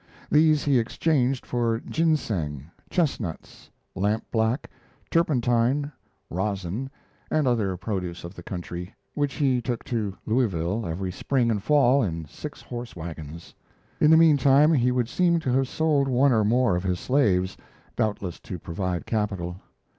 These he exchanged for ginseng, chestnuts, lampblack, turpentine, rosin, and other produce of the country, which he took to Louisville every spring and fall in six horse wagons. In the mean time he would seem to have sold one or more of his slaves, doubtless to provide capital.